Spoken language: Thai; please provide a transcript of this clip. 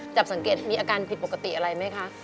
จับสังเกตมีอาการผิดปกติอะไรไหมคะ